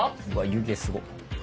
湯気すごっ。